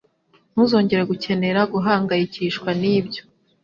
Ntuzongera gukenera guhangayikishwa nibyo.